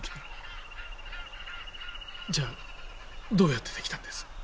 じゃあどうやって出来たんです？